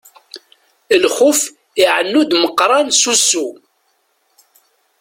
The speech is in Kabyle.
Lxuf iɛennu-d Meqqran s ussu.